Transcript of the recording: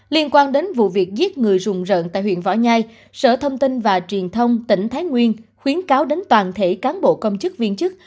liên quan đến vụ việc giết người rùng rợn tại huyện võ nhai sở thông tin và truyền thông tỉnh thái nguyên khuyến cáo đến toàn thể cán bộ công chức viên chức